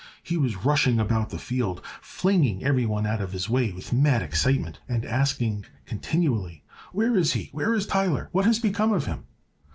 He was rushing about the field, flinging everyone out of his way with mad excitement and asking continually: "Where is he? Where is Tyler? What has become of him?"